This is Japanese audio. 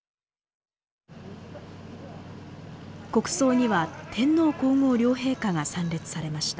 国葬には天皇皇后両陛下が参列されました。